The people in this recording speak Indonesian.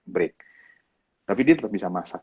break tapi dia tetap bisa masak